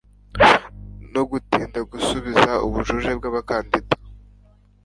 no gutinda gusubiza ubujurire bw abakandida